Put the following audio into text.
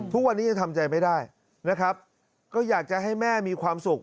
ทุกวันนี้ยังทำใจไม่ได้นะครับก็อยากจะให้แม่มีความสุข